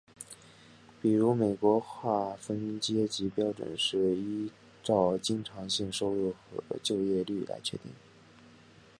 比如美国划分阶级标准是依照经常性收入和就业率来确定。